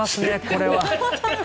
これは。